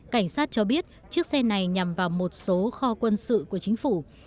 cảnh sát cho biết chiếc xe này nhằm vào một số kho quân sự của chính phủ